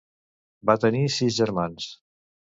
Va tenir sis germans.